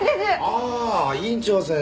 ああ院長先生。